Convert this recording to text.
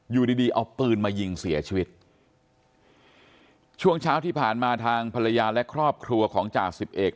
อยู่ดีดีเอาปืนมายิงเสียชีวิตช่วงเช้าที่ผ่านมาทางภรรยาและครอบครัวของจ่าสิบเอก